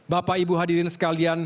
bapak ibu hadirin sekalian